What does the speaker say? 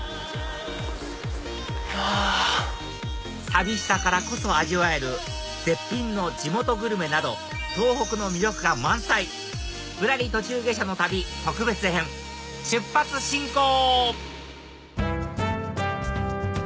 旅したからこそ味わえる絶品の地元グルメなど東北の魅力が満載『ぶらり途中下車の旅特別編』出発進行！